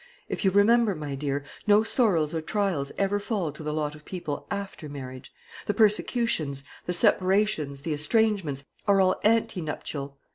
If you remember, my dear, no sorrows or trials ever fall to the lot of people after marriage. The persecutions, the separations, the estrangements, are all ante nuptial.